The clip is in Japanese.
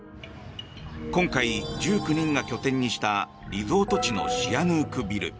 今回、１９人が拠点にしたリゾート地のシアヌークビル。